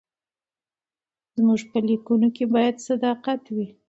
زموږ په لیکنو کې باید صداقت وي.